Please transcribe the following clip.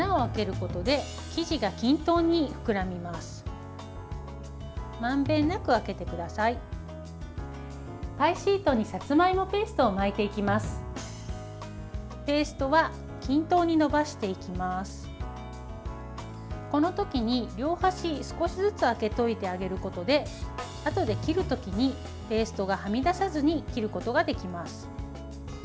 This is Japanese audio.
この時に、両端少しずつ空けておいてあげることであとで切る時にペーストがはみ出さずに切ることができます。